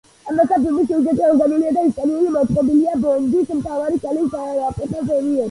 ამასთან, ფილმის სიუჟეტი ორიგინალურია და ისტორია მოთხრობილია ბონდის მთავარი ქალის, რვაფეხას მიერ.